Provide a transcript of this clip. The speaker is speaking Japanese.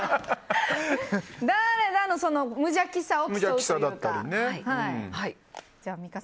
誰だ？の無邪気さを競うというか。